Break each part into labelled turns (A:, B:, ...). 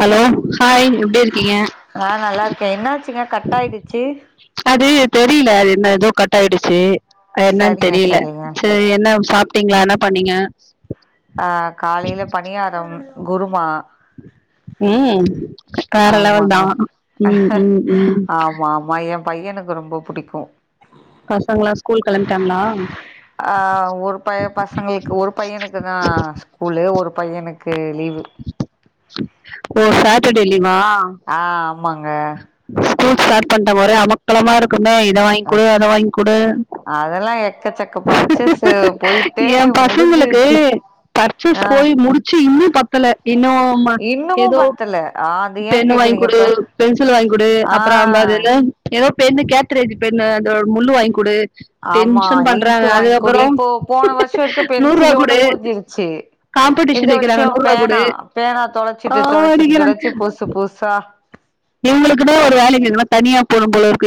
A: hello hi எப்பிடி இருக்கீங்க
B: ஆ நல்லா இருக்கே என்னாச்சுங்க கட் ஆயிடுச்சு
A: அது தெரியல அது என்ன ஏதோ கட் ஆயிடுச்சு என்னன்னு
B: சரிங்க
A: தெரியல
B: சரிங்க
A: சேரி என்ன சாப் ப்பிடிங்களா என்ன பண்ணீங்க
B: ஆ காலையில பணியாரம் குருமா
A: உம் வேற லெவல் தா
B: ஆமாங்க
A: உம் உம் உம்
B: ஆமா ஆமா எ பையனுக்கு ரொம்ப புடிக்கு
A: பசங்களா ஸ்கூல் கிளம்பிடாங்ளா
B: ஆ ஒரு ப பசங்களுக்கு ஒரு பையனுக்குதா ஸ்கூலு ஒரு பையனுக்கு லீவு
A: ஓ சாட்டர்டே லீவா
B: ஆ ஆமாங்க
A: ஸ்கூல் ஸ்டார்ட் பண்ட்டாங்க ஒரே அமக்கலமா இருக்கு தா இத வாயிங்குடு
B: அஸ்
A: அத வாயிங்குடு
B: அதெல்லா எக்கச்சக்க பர்ச்சேஸ் போயிட்டே
A: ஏ பசங்களுக்கு
B: முடிஞ்சிருச்சு
A: பர்ச்சஸ்
B: ஆ
A: போய் முடுச்சு இன்னு பத்தல இன்னு
B: இன்னமு
A: எதோ
B: பத்தல ஆ அது ஏ
A: பென்ன
B: கேக்குறீங்க
A: வாய்ங்குடு
B: இப்ப
A: பென்சில் வாய்ங்குடு அப்புற அந்தது
B: ஆ
A: என்ன எதோ பேரு கேத்தரேஜ் பென்னு அந்த ஒரு முள்ளு வாயிங்குடு
B: ஆமா இங்க்கு வாங்குடு இப்போ போன வருஷ இருக்கு
A: நூறு ரூபா
B: பென்சிலோட
A: கொடு
B: முடிஞ்சிருச்சு இந்த
A: காம்படிஷன் வைக்கிறாங்க
B: வருஷம்
A: நூறு ரூபா கொடு
B: பேனா பேனா தொலச்சிட்டு தொலச்சிட்டு
A: சாவடிக்கிறாங்க
B: தொலச்சு புசு பூசா
A: இவுங்களுக்குனே ஒரு வேலைக்கு [unintelligible] தனியா [unintelligible]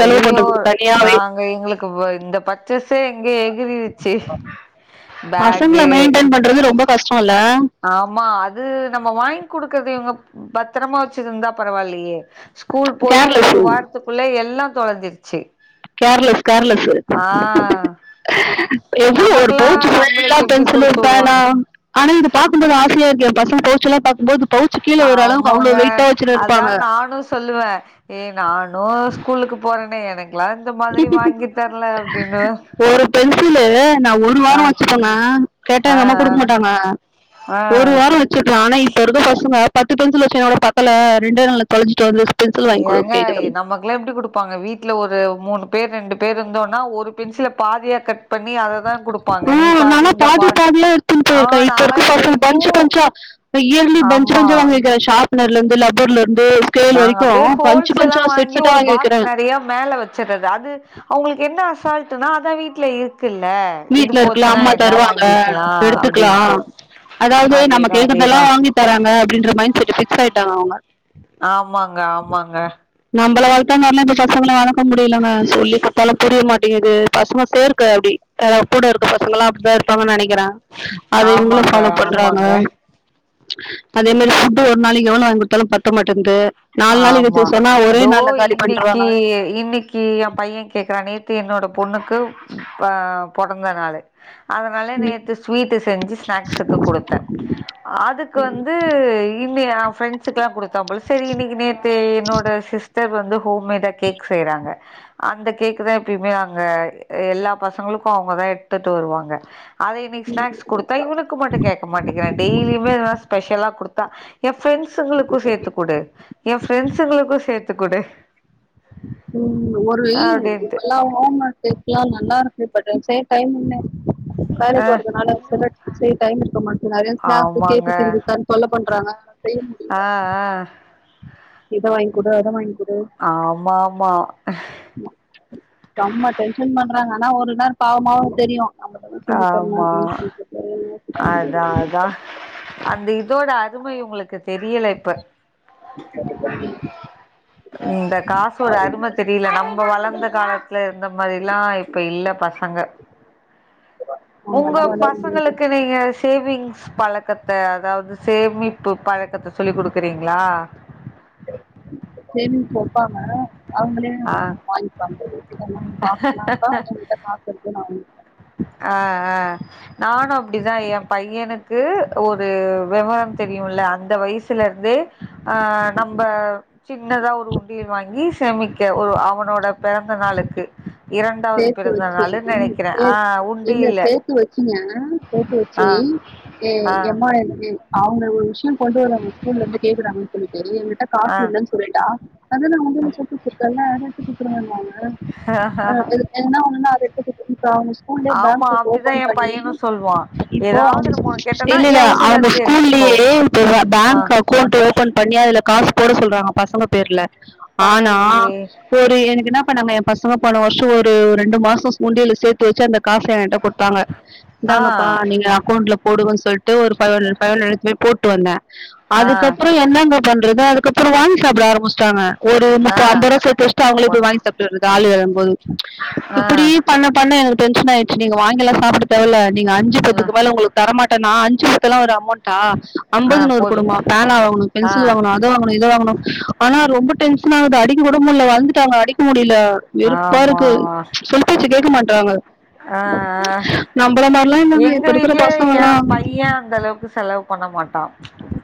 A: செலவு பண்றதுக்கு தனியாவே
B: நாங்க எங்களுக்கு இந்த பச்சஸே எங்க எகிரிருச்சு
A: பசங்கள மெயின்டென் பண்றது ரொம்ப கஷ்டம் இல்ல
B: ஆமா அ து நம்ம வாங்கி குடுக்குறது இவுங்க பத்திரமா வச்சுருந்தா பரவால்லையே ஸ்கூல் போய்
A: கேர்லெஸ்
B: ஒரு வாரத்துக்குள்ள எல்லா தொலஞ்சிருச்சு
A: கேர்லஸ் கேர்லஸு எவ்ளோ ஒரு
B: நமக்கெல்லா
A: பவுச் ஃபுல்லா
B: நம்மளுக்கு எப்டி
A: பென்சிலு
B: குடுத்து
A: பேனா
B: வுடுவாங்க
A: ஆனா இது பாக்கும்போது ஆச யாருக்கு ஏ பசங்க பவ்ச்சல்லா பாக்கும் போது பவுச் கீழே ஒரு அளவுக்கு
B: ஆமாங்க
A: அவ்வளவு வெயிட்டா வச்சுட்டு
B: அதா
A: இருப்பாங்க
B: நானு சொல்லுவே ஏ நானு ஸ்கூலுக்கு போறே அ எனக் குல்லா இந்த மாதிரி வாங்கி தர்ல அப்டின்னு
A: ஒரு பென்சிலு நா ஒரு வாரொ வச்சுப்பங்க கேட்டா
B: ஆ
A: எங்க அம்மா குடுக் மாட்டாங்க
B: ஆ ஆ
A: ஒரு வார வச்சுக்லா ஆனா இப்ப இருக்க பசங்க பத்து பென்சில் வச்சேனாகுட பத்தல ரெண்டு நாள்ளே தொலச்சுட்டு வந்து பென்சில் வாங்கி கொடுக்க
B: ஏங்க
A: கேக்குதுங்க
B: நமக்லா எப்டி குடுப்பாங்க வீட்ல ஒரு மூணு பேர் ரெண்டு பேர் இருந்தோன்னா ஒரு பென்சில பாதியா கட் பண்ணி அததா
A: ஆ,
B: குடுப்பாங்க நீ பாதி
A: நானா
B: இந்த பா
A: பாதியா எடுத்துன்னு
B: ஆ
A: போயிருக்கேன் இப்ப
B: நாலா
A: இருக்க
B: இது
A: பசங்க
B: வரைக்கு
A: பஞ்சு பஞ்சா இயர்லி பன்ச்
B: ஆமா
A: பன்ச்சா வாங்கி வக்கிர ஷாப்னர்லெந்து லப்பர்லெந்
B: நாங்க அப்படியே ஹோல்சேலாம்
A: செட்
B: வாங்கி
A: செட்டா
B: ஒரு பாக்ஸ்
A: வைக்கிறேன்
B: நிறைய மேல வச்சடுறது அது அவங்களுக்கு என்ன ஆசை அசால்டுனா அதா வீட்டுல இரு
A: வீட்டு்ல இருக்குலா அம்மா தருவாங்க
B: வாங்கிக்கலா
A: எடுத்துக்கலா
B: அப்டின்ட்டு
A: அதாவது நம்ப
B: அதேதா
A: கேக்குறதல்லா
B: அதேதா
A: வாங்கி தராங்க அப்படின்ற மைண்ட்செட் பிக்ஸ் ஆயிட்டாங்க அவங்க
B: ஆமாங்க ஆமாங்க
A: நம்மள வளத்தாமாரிலா இந்த பசங்களை வளர்க்க முடியலங்க சொல்லி பாத்தாலும் புரிய மாட்டேங்கது பசங்க சேர்க்க அப்டி அ கூட இருக்கு பசங்கள எல்லாம் அப்படித்தான் இருப்பாங்க நினக் அத எங்களை
B: ஆமாங்க
A: பாலோ பண்றாங்க
B: ஆமாங்க
A: அதே மாதிரி ஃபுட்டு் ஒரு நாளைக்கு எவ்வளவு வாங்கி கொடுத்தாலும் பத்த மாட்டேங்கிது
B: ஆமா தோ இன்னைக்கு இன்னைக்கு என் பையன் கேக்குறானே என்னோட பொண்ணுக்கு ஆஹ் பொறந்தநாள்ளு நாளு அதனால நேற்று ஸ்வீட்டு செஞ்சு ஸ்நாக்ஸ்க்கு கொடுத்தேன் அதுக்கு வந்து இன்ன என் ஃப்ரெண்ட்ஸ்க்குல்லாம் கொடுத்தேன் போல சரி இன்னைக்கு நேத்து என்னோட சிஸ் டர் வந்து ஹோம்மேடா கேக் செய்யறாங்க அந்த கேக் தான் எப்பயுமே அங்க எல்லா பசங்களுக்கும் அவங்கதான் எடுத்துட்டு வருவாங்க அத இன்னைக்கு ஸ்னாக்ஸ்
A: பண்ணிடுவாங்க
B: கொடுத்தா இவனுக்கு மட்டும் கேட்க மாட்டங்கிறேன் டெய்லியுமே ஸ்பெஷலா கொடுத்தா என் பிரெண்ட்ஸ்களுக்கும் சேர்த்து குடு என் பிரெண்ட்ஸ்ங்களுக்கும் சேர்த்து குடு
A: உம் ஒரு இ
B: அப்டின்ட்டு
A: இப்பெல்லாம் ஓம்ஒர்க் கேக்ல்லாம் நல்லா இருக் சப்ப ச டைம்ன [unintelligible]
B: அ
A: வேலைக்கு வறதுனால சில டைம் இருக்க மட்டு நிறைய
B: ஆமாங்க
A: கேட்டு செஞ்சுக்க சொல்லை பண்றாங்க செய்ய
B: ஆ
A: முடியல
B: ஆ
A: இத வாங்கி கூட அத வாங்கி குடு
B: ஆமா ஆமா
A: ங்க ஆனா ஒரு நாள் பாவமாவும் தெரியும்
B: ஆமா அதான் அதான் அந்த இதோட துமை உங்களுக்கு தெரியல இப்ப இந்த காசு ஒரு அரும தெரியல நம்ப வளர்ந்த காலத்துல இருந்த மாரிலாம் இப்ப இல்ல பசங்க உங்க
A: நம்மனா வளர முடியாது
B: பசங்களுக்கு நீங்க சேவிங்ஸ் பழக்கத்த அதாவது சேமிப்பு பழக்கத்தை சொல்லி கொடுக்குறீங்களா
A: சேமிச்சு வைப்பாங்க அவங்களே
B: ஆ
A: அத வாங்கிப்பாங்க [unintelligible]
B: ஆஹ் ஆஹ் நானும் அப்படிதான் என் பையனுக்கு ஒரு விவரம் தெரியும்ல அந்த வயசுல இருந்தே அஹ் நம்ப சின்னதா ஒரு உண்டியல் வாங்கி சேமிக்க ஒரு அவனோட பிறந்த நாளுக்கு இரண்டாவது பிறந்த நாள்னு நினைக்கிறேன்
A: இங்க சேர்த்து வச்சீங்க சேர்த்து வச்சு
B: ஆ ஆ
A: எம்மா அவங்க கொண்டுவராங்க ஸ்கூல்ல இருந்து கேக்குறாங்கனு சொல்லி சரி எங்கிட்ட
B: ஆ
A: காசு இல்லைன்னு சொல்லிட்டா அதா நான் உன்டியல்ல சேத்துவச்சிருக்கேன்ல்ல நானு அத எடுத்து கூடுத்துடுவே நான்னு எதனா ஒண்ணுணா திக்கு திக்குனு அவங்க ஸ்கூல்லையே பேங்க்
B: ஆமா
A: புக்
B: அப்டிதா
A: ஓபன்
B: எ
A: பண்ணி
B: பையனு சொல்வா
A: இப்போ
B: ஏதாவது நம்ம ஒன்னு கேட்டோனா
A: இல்ல
B: எ
A: இல்ல
B: உண்டில
A: அவங்க
B: இருந்து எடுத்துக்கோ
A: ஸ்கூல்லயே
B: ஆ
A: பேங்க் அக்கௌண்ட் ஓபன் பண்ணி அதுல காசு போட சொல்றாங்க பசங்க தெர்ல ஆனா
B: பரவாயில்லயே
A: ஒரு எனக்கு என்ன பண்ணாங்க பச போன வருஷம் ஒரு ரெண்டு மாசம் உண்டில சேர்த்து வச்சு அந்த காச என்கிட்ட கொடுத்தாங்க
B: ஆ
A: இந்தாங்கப்பா நீங்க அக்கவுண்ட்ல போடுங்கனு சொல்லிட்டு ஒரு ரெண்டாயிரம் எடுத்துன்னு போய் போட்டு வந்தேன்
B: ஆ
A: அதுக்கப்புறம் என்னங்க பண்றது அதுக்கு அப்புறம் வாங்கி சாப்பிட ஆரம்மி ச்சிட்டாங்க ஒரு
B: ஆ
A: முப்ப ஐம்பது ரூபா சேர்த்து வெச்சிட்டு அவங்கள
B: போடு
A: வாங்கி சாப்ட்டு வரது ஆளு ஒது
B: ஆ
A: இப்படி பண்ணு பண்ணு டென்ஷன் ஆயிடுச்ச நீங்க வாங்கெல்லா சாப்பிட தேவ இல்ல நீங்க அஞ்சு
B: ஆ
A: பத்துக்கு மேல உங்களுக்கு தரமாட் நா அஞ்சு பத்து எல்லாம் ஒரு அமௌண்ட்டா
B: ஆ
A: ஐம்பது நூறு
B: போது
A: குடும்மா பேனா வாங்கணும்
B: ஆ
A: பென்சில் வாங்கணும் அத வாங்கணும் இத வாங்கணும் ஆனா ரொம்ப டென்ஷன் ஆவுது அடிக்க கூட முடியல வளந்துட்டாங்க அடிக்க முடியல தே வெறுப்
B: ஆமா
A: இருக்கு
B: ஆமா
A: சொல் பேச்சி கேக்க மாட்றாங்க
B: ஆ ஆ
A: மாதிரிலாம் இல்லைங்க
B: எங்க
A: இப்ப இருக்கிற
B: வீட்டு்ல
A: பசங்க
B: என்
A: எல்லாம்
B: பையன் அந்த அளவுக்கு செலவு பண்ண மாட்டான்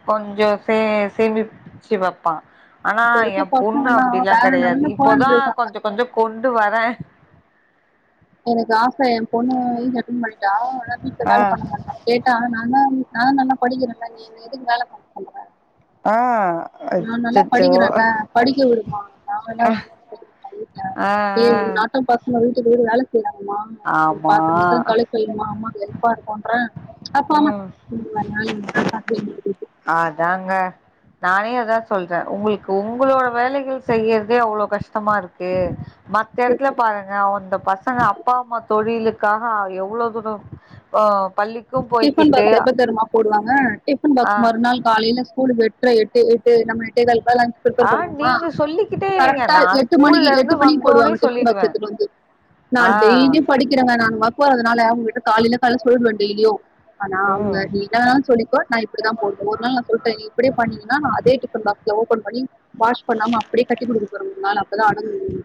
B: கொஞ்சம் சே சேமிச்சு வைப்பான் ஆனா
A: இப்ப இருக்க
B: என்
A: பசங்க
B: பொண்ணு
A: எல்லாம்
B: அப்படிலாம்
A: வேற
B: கிடையாது
A: லெவல்ல போயிட்டு
B: இப்போதா
A: இருக்காங்க
B: கொஞ்ச கொஞ்ச கொண்டு வரேன்
A: எனக்கு ஆச என் பொண்ணு ஏஜ் அட்டென்ட் பண்ணிட்டா ஆனா வீட்டுலா
B: ஆ
A: வேல பண்ண மாட்டா கேட்டா நான நாதா நல்லா படிக்கிறேன் நீ எதுவும் வேல பண்ண சொல்ற
B: ஆ
A: நான் நல்லா
B: அச்சச்சோ
A: படிக்கிறேன்ல படிக்க விடுமா நாங்க எல்லாம் வேல செய்ய மாட்டான் வீட்டுல
B: ஆ ஆ
A: மட்டும் ஏ உன்னாட்ட பசங்கடி சரி இரு வேலை செய்றாங்கமா
B: ஆமா
A: பாத்திர கீத்ர தொலைக்கி வைய்யுமா அம்மாக்கு கெல்ப்பா இருக்குன்றே அப்போமா
B: ம்
A: உனக்கு வேற வேலை இல்ல அப்படிங்கறது
B: அதாங்க நானே அதான் சொல்றே உங்களுக்கு உங்களோட வேலைகள் செய்யறதே அவ்ளோ கஷ் ஷ்டமா இருக்கு மத்த இடத்துல பாருங்க அந்த பசங்க அப்பாம்மா தொழில் க்காக எவ்வளோ தூரோம் பல்
A: டிபன் பாகஸ் எப்ப தெருமா போடுவாங்க டிபன்
B: ஆ
A: பாக்ஸ் மறுநாள் காலையிலஸ்கூலுக்கு எடுத் எட்டு எட்டு நம்ம கால எழுந்து
B: ஆ
A: பிரிபேர் பண்ணணுமா
B: நீங்க சொல்லிக்கிட்டே இருங்க
A: டிபன்பாக்ஸ
B: நா
A: எடுத்து
B: ஸ்கூல்ல
A: வந்துட்டு எட்டு
B: இருந்து
A: மணிக்கு
B: வந்தோனே சொல்லிடுவே
A: போடுவாங்க
B: ஆ
A: நான் டெய்லியும் படிக்கிறேங்கனாலங்க காலில கால சொல்லிடுவே வீடியோ ஆனா அவங்க
B: ம்
A: நீ என்னும்சொல்லிக்கோ நான் இப்படிதான் போடுவே ஒரு நாள் நான் சொல்லிட்டேன் இப்படியே பண்ணீங்கன்னா நான் அதே பண்ணி வாஷ் பண்ணாம அப்படியே கட்டி கொடுத்துக்க போறோம் ஒரு நாள் அப்பதான் அடங்குவீங்க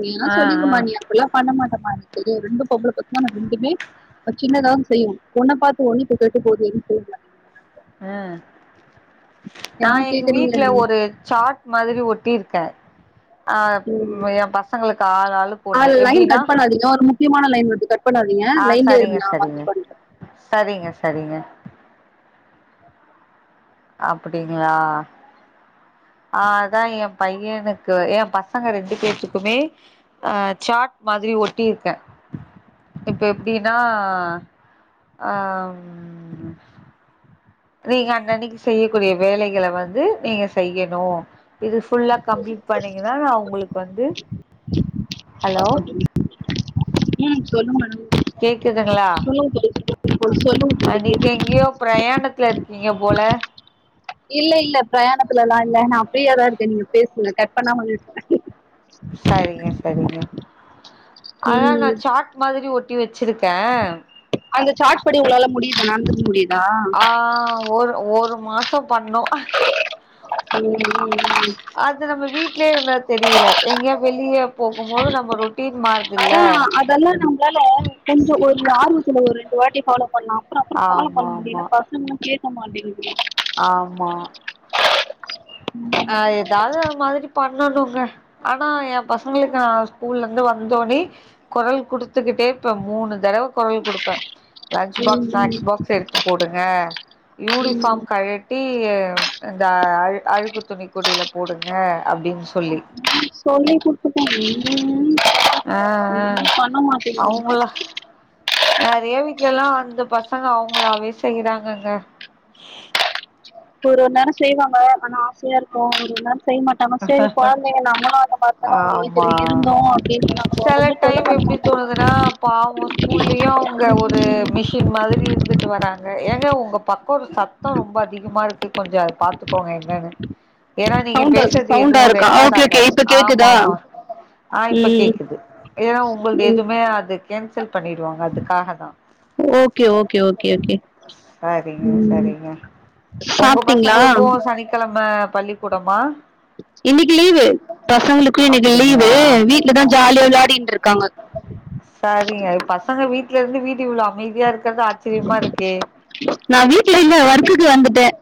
A: நீ ல்லா
B: ஆ ஆ
A: சொல்லிங்கமா நீ அப்டில்லாம் பண்ணமாட்டேன் ஹா சேரி ரெண்டு பொம்பள பசங்க ரெண்டுமே சின்னதாவ செய்யும் உன்ன பாத்து ஒன்னு கேட்டு போகுது
B: உஹம்
A: ஏன்
B: நான் எங்க
A: கேக்குறீங்க
B: வீட்டுல ஒரு சாட் மாதிரி ஒட் டிருக்கே ஆஹ் என் பசங்களுக் [unintelligible]
A: ஹா லைன் கட் பண்ணாதீங்க ஒரு மு முக்கியமானலைன் வருது கட் பண்ணாதீங்க
B: ஆ
A: லைன்லே
B: சரிங்க
A: இருங்க நான் மாத்தி
B: சரிங்க
A: பண்றே
B: சரிங்க சரிங்க அப்படிங்களா ஆஹ் அதான் என் பையனுக்கு என் பசங்க ரெண்டு பேத்துக்குமே அஹ் சாட் மாதிரி ஒட்டியிருக்கேன் இப்ப எப்டின்னா அஹம் நீங்க அன்னனைக்கு செய்யக்கூடிய வேலைகளை வந்து நீங்க செய்யணும் இது ஃபுல்லா கம்ப்ளீட் பண்ணீங்கன்னா நான் உங்களுக்கு வந்து ஹலோ
A: [unintelligible] உஹம் சொல்லுங்க மேடம் சொல்லுங்க தோழி சீக்கிரம்
B: அன்னைக்கு எங்கேயோ பிரயாணத்துல இருக்கு
A: இல்ல இல்ல பிரயாண இல்ல இல்ல நான் ப்ரியாதான் இருக்கேன் நீங்க பேசுங்க கட் பண்ணமா பேசுங்க
B: சரிங்க சரிங்க அதான் நா
A: ம்
B: சாட் மாதிரி ஒட் [unintelligible]
A: அந்த சாட்படி உங்கலால முடியுதா நடந்துக்க முடியுதா
B: மாசம் பண்ணோ
A: உம்
B: அது நம்ப வீட் லே இருந் தெரியல எங்யே வெளிய போகும்போது நம்ப ரொட்டின் மாருத்தில
A: அதா ஆரம்பத்துல ஒரு ரெண்டு வாட்டி பொல்லோவ் பண்ணல அப்பறம் அப்பறம் பொல்லொவ்
B: ஆமா
A: பண்ண முடியல
B: ஆமா
A: பசங்காலும் கேட்டு ஆமாடி [unintelligible]
B: ஆமா
A: ம்
B: ஆஹ் எதாவது அந்த மாரி பண்ணனும்ன்னுங்க ஆன ஏன் பசங்களுக்கு நா ஸ்கூல் லா இருந்து வந்த ஒடனே குரல் குடுத்துக்கிட்டேய் இருப்பேன் மூணு தடவ குரல் கொடுப்பேன் லன்ச் பாக்ஸ்
A: ம்
B: ஸ்நாக்ஸ் பாக்ஸ் எடுத்து போடுங்க
A: ம்
B: யூனிஃபார்ம் கழட்டி இந்த அ அழுகுத்து துணியை குடியில போடுங்க அப்படின்னு சொல்லி
A: சொல்லி குடுத்துட்டே எங்கங்க கேக்குது ஒன்னு பண்ண மாட்டேங்குதுங்க
B: அந்த பசங்க அவங்களாவே செய்யறாங்கங்க
A: இப்ப ஒரு நேரம் செய்வாங்க ஆனா ஆசையா இருக்கும் ஒரு நேரம் செய்ய மாட்டாங்க
B: அஹ
A: சரி
B: அஹ
A: குழந்தைங்க நம்மளும் அந்த மாதிரி தானே ஒரு
B: ஆமா
A: ஏஜ்ல இருந்தோம் அப்படின்னு நான்
B: சில
A: ரொம்ப தொல்லை
B: டைம்
A: பண்ண
B: எப்படி
A: மாட்டேன்
B: தோணுதுனா பாவம் ஸ்கூல்லயும் ஓரு மெஷின் மாரி இருந்துட்டு வராங்க எங்க கோப்பாக [unintelligible] ஒரு சத்தம் ரொம்ப அதிகமா இருக்கு கொஞ்ச பாத்துக்கோங்க என்னன்னு ஏன்னா நீங்க
A: சவுண்டா
B: பேசுறது
A: சவுண்டா
B: எதுவும்
A: இருக்கா
B: ரெக்கார்ட்
A: ஓகே ஓகே
B: ஆகாது
A: இப்ப
B: ஆமா
A: கேக்குதா
B: ஆமா
A: ம்
B: எம் செல்ப் பண்ணிடுவாங்க அதுக்காக தான்
A: ஓகே ஓகே ஓகே ஓகே ம் சாப்பிட்டீங்களா
B: அவ பள்ளிக்கூடமா
A: இன்னைக்கு லீவு பசங்களுக்கு இன்னைக்கு லீவு
B: அப்டிங்களா
A: வீட்டுல தான் ஜாலியா விளையாடின்ருக்காங்க
B: சரிங்க பசங்க வீட்டு்ல இருந்து வீடு எவளோ அமைதியா இருக்
A: நான் வீட்டு்ல இல்ல ஒர்க்குக்கு வந்துட்டேன்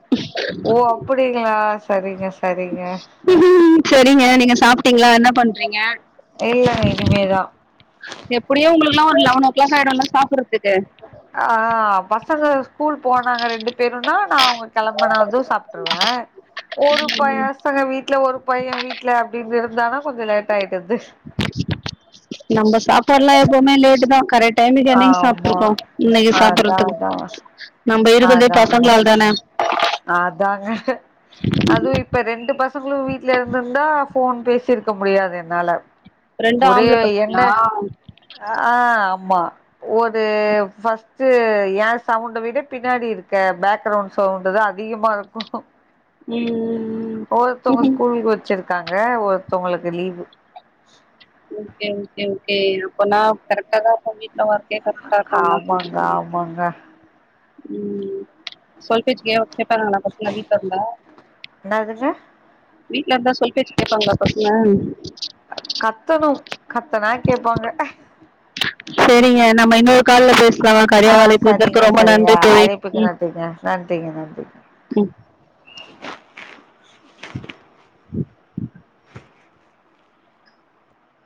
B: ஓ அப்டிங்களா சரிங்க சரிங்க
A: கூகு சேரிங்க நீங்க சாப்பிட்டீங்களா என்ன பண்றீங்க
B: இல்லங்க இனிமேதா
A: அப்படியும் உங்கலு எல்லாம் லெவன் ஓ களாக் ஆயிடும்லா சாப்படுறதுக்கு
B: ஆஹ் பசங்க ஸ்கூல் போனாங்க ரெண்டு பேருனா நான் அவங்க கிளம்பன வதும் சாப்பிட்டுருவேன் ஒரு பையசங்க வீட்டுல ஒரு பையன் வீடல அப்படிங்க இருந்த தனம்
A: நம்ம சாப்பாடுலாம் எப்பவுமே லேட் தான் கரெக்ட் டைமுக்கு என்னைக்கி
B: ஆமா
A: சாப்பிட்டுருக்கோம் இன்னைக்கி
B: அதா
A: சாப்புற்றதுக்கு
B: அதா அதாங்க அதாங்க அதுவும் இப்ப ரெண்டு பசங்களும் வீட்ல இருந்துருந்தா போன் பேசிருக்க முடியாது என்னால
A: ரெண்டு
B: ஒரே
A: ஆம்பள
B: என்ன
A: ‌பசங்ளா
B: ஆ ஆமா ஒரு ஃபஸ்ட் ஏன் சவுண்டை விட பின்னாடி இருக்க பேக்ரவுண்ட் சவுண்டு தான் அதிகமா இருக்கும்
A: ம்
B: ஒருதவுங்களுக்கு ஸ்கூல் வச்சிருக் காங்க ஒருத்தவுங்ளுக்கு லீவு
A: [unintelligible] இருக்கும் தான்
B: ஆமாங்க
A: சொல்றீங்க
B: ஆமாங்க
A: ம் சொல்பேச்சு கேப்பா ங்களா பசங்க வீட்லருந்தா
B: என்னதுங்க
A: வீட்ல இருந்தா சொல்பேச்சு கேப்பாங்ளா பசங்க
B: கத்தணு கத்துனா கேப்பாங்க
A: செரிங்க நம்ம இன்னொரு கால்ல பேசிக்கலாம் சரியா
B: ஆ சரிங்க
A: அழைபுக்கு ரொம்ப நன்றி தோழி
B: [unintelligible] [unintelligible]
A: ம்
B: [inaudible]
A: [inaudible]